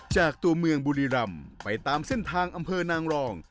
จากตัวเมืองบุรีรำไปตามเส้นทางอำเภอนางรอง